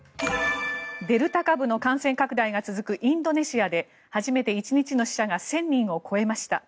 デルタ型の感染拡大が続くインドネシアで初めて１日の死者が１０００人を超えました。